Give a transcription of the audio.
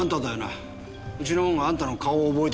うちの者があんたの顔を覚えてたよ。